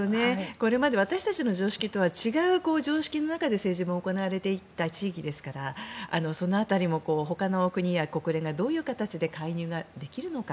これまで私たちの常識とは違う常識の中で政治も行われていった地域ですからその辺りもほかの国や国連がどういう形で介入ができるのか。